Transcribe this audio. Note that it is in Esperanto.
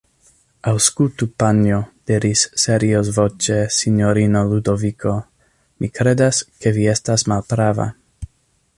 Aŭskultu, panjo, diris seriozvoĉe sinjorino Ludoviko; mi kredas ke vi estas malprava.